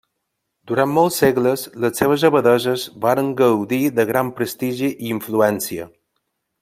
Durant molts segles, les seves abadesses van gaudir de gran prestigi i influència.